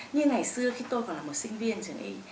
như ngày xưa khi tôi còn là một sinh viên chuẩn y